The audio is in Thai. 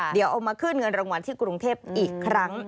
เดี๋ยวเอามาขึ้นเงินรางวัลที่กรุงเทพอีกครั้ง